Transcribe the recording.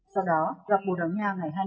sau đó gặp bộ đoàn nga ngày hai mươi hai tháng bảy